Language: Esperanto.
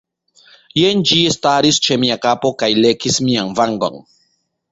Jen ĝi staris ĉe mia kapo kaj lekis mian vangon.